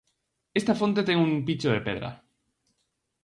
Esta fonte ten un picho de pedra.